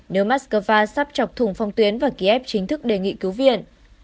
nếu moscow sắp chọc thùng phong tuyến và kiev chính thức đề nghị cứu viện